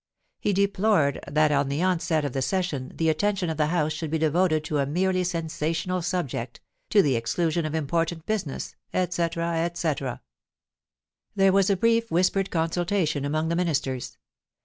He de plored that at the onset of the session the attention of the House should be devoted to a merely sensational subject, to the exclusion of important business, etc., etc. THE IMPEACHMENT OF THE PREMIER. 409 There was a brief whispered consultation among the Ministers.